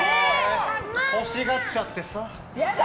欲しがっちゃってさ。